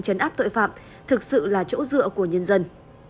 chấn áp tội phạm thực sự là chỗ dựa của nhân dân